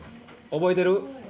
覚えてる。